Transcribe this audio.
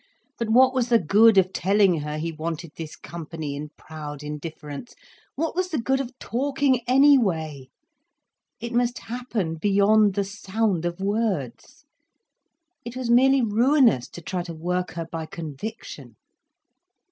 But what was the good of telling her he wanted this company in proud indifference. What was the good of talking, any way? It must happen beyond the sound of words. It was merely ruinous to try to work her by conviction.